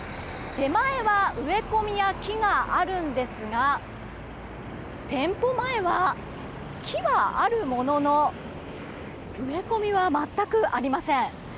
手前は、植え込みや木があるんですが店舗前は木はあるものの植え込みは全くありません。